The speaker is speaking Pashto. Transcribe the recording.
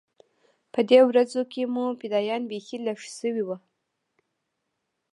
په دې ورځو کښې مو فدايان بيخي لږ سوي وو.